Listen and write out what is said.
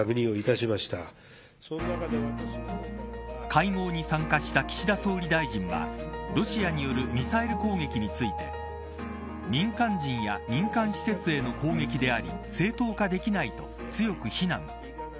会合に参加した岸田総理大臣はロシアによるミサイル攻撃について民間人や民間施設への攻撃であり正当化できないと強く非難。